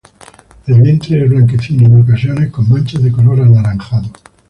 El vientre es blanquecino, en ocasiones con manchas de color anaranjado.